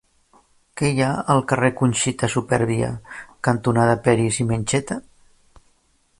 Què hi ha al carrer Conxita Supervia cantonada Peris i Mencheta?